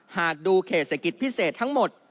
หากดูเขตเศรษฐกิจพิเศษทั้งหมด